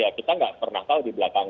ya kita nggak pernah tahu di belakang